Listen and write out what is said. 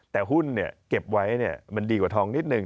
แต่หุ้นเนี่ยเก็บไว้เนี่ยมันดีกว่าทองนิดนึง